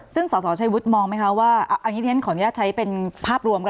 ซึ่งสชวุฒิมองนี้ขออนุญาตใช้เป็นภาพรวม